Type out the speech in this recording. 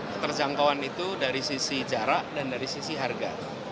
keterjangkauan itu dari sisi jarak dan dari sisi harga